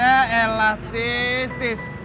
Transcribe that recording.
eh elah tis